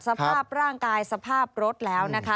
สภาพร่างกายสภาพรถแล้วนะคะ